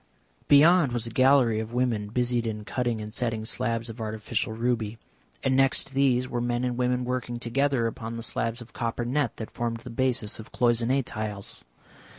Beyond was a gallery of women busied in cutting and setting slabs of artificial ruby, and next these were men and women working together upon the slabs of copper net that formed the basis of cloisonné tiles.